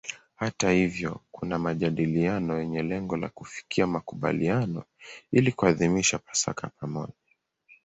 Hata hivyo kuna majadiliano yenye lengo la kufikia makubaliano ili kuadhimisha Pasaka pamoja.